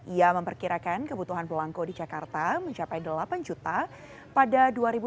ia memperkirakan kebutuhan belangko di jakarta mencapai delapan juta pada dua ribu dua puluh